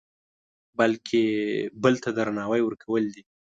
بلکې بل ته درناوی ورکول دي.